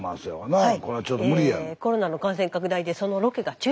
はい。